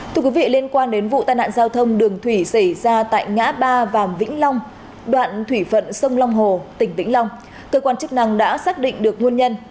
thưa quý vị liên quan đến vụ tai nạn giao thông đường thủy xảy ra tại ngã ba vàm vĩnh long đoạn thủy phận sông long hồ tỉnh vĩnh long cơ quan chức năng đã xác định được nguồn nhân